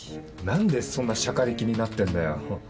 何でそんなシャカリキになってんだよ？